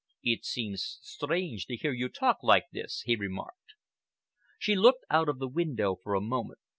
"It seems strange to hear you talk like this," he remarked. She looked out of the window for a moment.